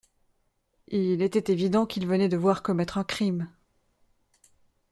Il était évident qu’il venait de voir commettre un crime.